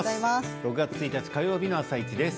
６月１日火曜日の「あさイチ」です。